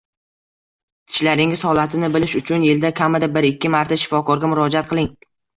Tishlaringiz holatini bilish uchun yilda kamida bir-ikki marta shifokorga murojaat qiling.